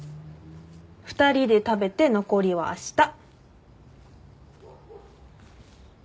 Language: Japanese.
２人で食べて残りはあした。